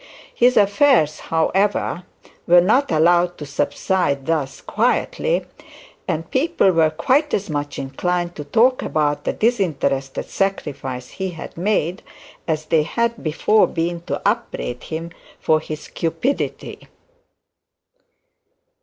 His affairs, however, were not allowed to subside thus quietly, and people were quite as much inclined to talk about the disinterested sacrifice he had made, as they had before been to upbraid him for his cupidity.